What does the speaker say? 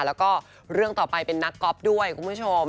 แล้วก็เรื่องต่อไปเป็นนักก๊อฟด้วยคุณผู้ชม